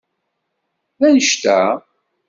D annect-a?